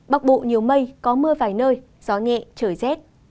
bắc bộ nhiều mây có mưa vài nơi gió nhẹ trời rét